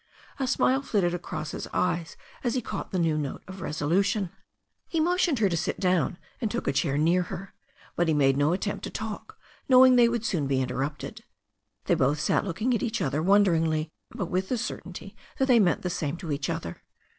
A smile flitted across his eyes as he caught the new note of resolution. He motioned to her to sit down, and took a chair near her. But he made no attempt to talk, knowing they would soon be interrupted. They both sat looking at each other won deringly, but with the certainty that they meant the same to each other.